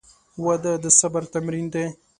• واده د صبر تمرین دی.